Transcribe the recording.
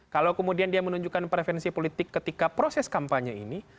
kalau kemudian dia menunjukkan preferensi politik ketika proses kampanye ini